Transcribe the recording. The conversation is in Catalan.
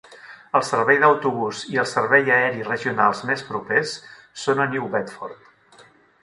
El servei d'autobús i el servei aeri regionals més propers són a New Bedford.